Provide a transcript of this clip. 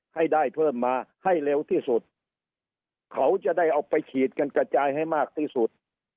ให้ได้เพิ่มมาให้เร็วที่สุดเขาจะได้เอาไปฉีดกันกระจายให้มากที่สุด